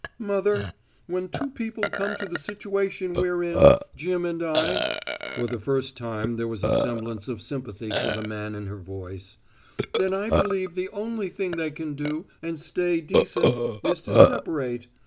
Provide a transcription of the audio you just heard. "Mother, when two people come to the situation we're in, Jim and I," for the first time there was a semblance of sympathy for the man in her voice, "then I believe the only thing they can do, and stay decent, is to separate.